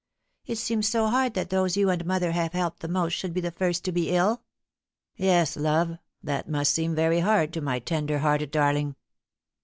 It seems so hard that those you and mother have helped the most should be the first to be ill." " Yes, love, that must seerp very hard to my tender hearted darling."